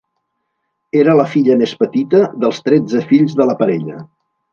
Era la filla més petita dels tretze fills de la parella.